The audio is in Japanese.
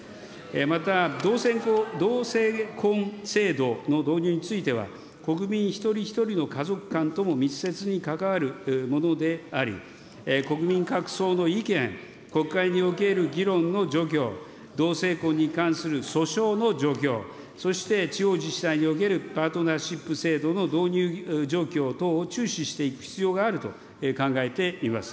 また、同性婚制度の導入については、国民一人一人の家族観とも密接に関わるものであり、国民各層の意見、国会における議論の状況、同性婚に関する訴訟の状況、そして地方自治体におけるパートナーシップ制度の導入状況等を注視していく必要があると考えています。